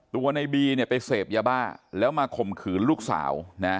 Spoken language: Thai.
ตัวในบีเนี่ยไปเสพยาบ้าแล้วมาข่มขืนลูกสาว